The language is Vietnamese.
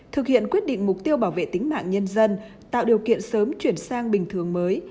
thực hiện quyết định mục tiêu bảo vệ tính mạng nhân dân tạo điều kiện sớm chuyển sang bình thường mới